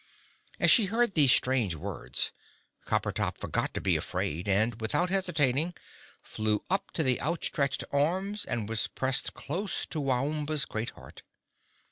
As she heard these strange words Coppertop forgot to be afraid, and, without hesitating, flew up to the outstretched arms, and was pressed close to Waomba's great heart.